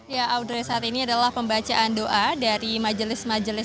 ya audre saat ini adalah pembacaan doa dari majelis majelis